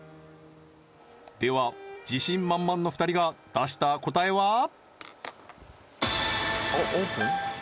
では自信満々の２人が出した答えは？あっオープン？